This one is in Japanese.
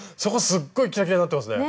すっごいキラキラになってますね。